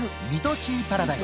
シーパラダイス。